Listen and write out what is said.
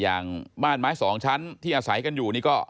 อย่างบ้านไม้สองชั้นที่อาศัยกันอยู่นี่ก็